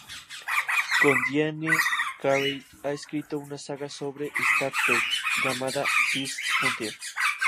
Con Diane Carey, ha escrito una saga sobre "Star Trek", llamada "First Frontier.